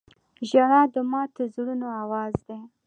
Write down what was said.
• ژړا د ماتو زړونو آواز دی.